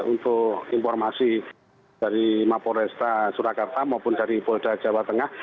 untuk informasi dari mapo resta surakarta maupun dari polda jawa tengah